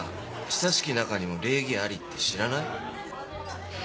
「親しき仲にも礼儀あり」って知らない？